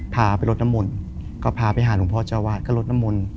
พาไปลดน้ำมนต์ก็พาไปหาหลวงพ่อเจ้าวาดก็ลดน้ำมนต์